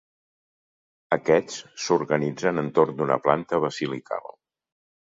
Aquests s'organitzen entorn d'una planta basilical.